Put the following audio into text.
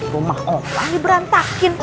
rumah orang diberantakin